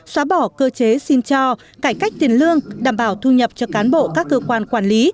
xóa bỏ cơ chế xin cho cải cách tiền lương đảm bảo thu nhập cho cán bộ các cơ quan quản lý